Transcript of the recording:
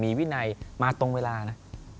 มีวินัยมาตรงเวลานะ